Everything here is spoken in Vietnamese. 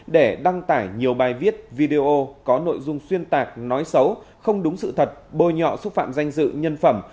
để đăng tải nhiều bài viết video có nội dung xuyên tạc nói xấu không đúng sự thật bôi nhọ xúc phạm danh dự nhân phẩm